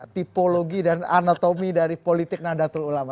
tipologi dan anatomi dari politik nadatul ulama